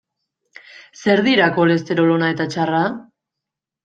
Zer dira kolesterol ona eta txarra?